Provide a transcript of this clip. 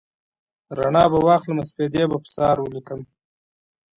رڼا به واخلمه سپیدې به پر سحر ولیکم